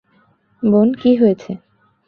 বোন, কি হয়েছে?